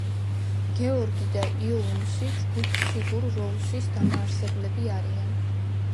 გეორგი და იოუნსი ჯგუფ სიგურ როუსის დამაარსებლები არიან.